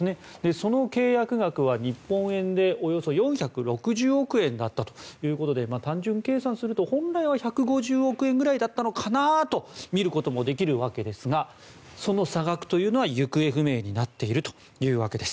その契約額は日本円でおよそ４６０億円だったということで単純計算すると本来は１５０億円くらいだったのかなとみることもできるわけですがその差額というのは行方不明になっているというわけです。